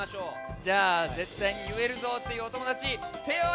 じゃあぜったいにいえるぞっていうおともだちてをあげてください！